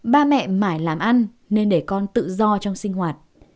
ba mẹ làm ăn nên để con tự do trong sinh hoạt